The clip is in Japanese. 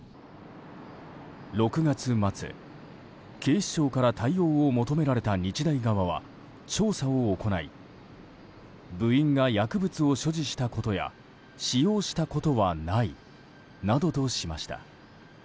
６月末、警視庁から対応を求められた日大側は調査を行い部員が薬物を所持したことや使用したことはないなどとしました。